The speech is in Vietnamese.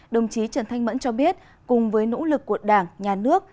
đồng chí trần thanh mẫn cho biết cùng với nỗ lực của đảng nhà nước